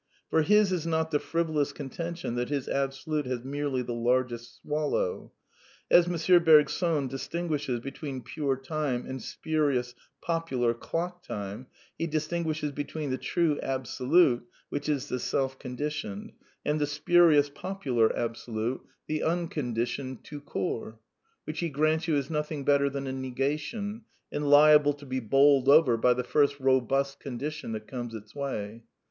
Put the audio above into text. For his is not the frivolous contention that his Absolute has merely the largest swallow. As M. Bergson distin guishes between Pure Time and spurious, popular clock time, he distinguishes between the true Absolute, which is the Self conditioned, and the spurious, popular Absolute, PRAGMATISM AND HUMANISM 137 the Unconditioned tout court, which he grants you is noth ving better than a negation, and liable to be bowled over by /^the first robust " condition '' that comes its way.